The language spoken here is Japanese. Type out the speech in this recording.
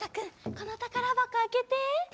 このたからばこあけて。